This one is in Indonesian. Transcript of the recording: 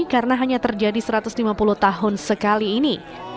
karena hanya terjadi satu ratus lima puluh tahun sekali ini